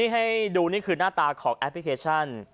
ให้ดูนี่คือหน้าตาของแอปพลิเคชัน